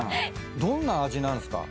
どんな味なんすか？